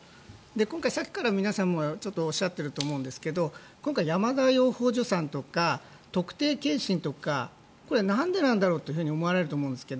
今回、さっきから皆さんもおっしゃっていると思うんですが今回、山田養蜂場さんとか特定健診とかこれはなんでなんだろうと思われると思うんですが。